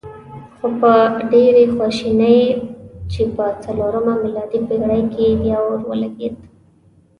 خو په ډېرې خواشینۍ چې په څلورمه میلادي پېړۍ کې بیا اور ولګېد.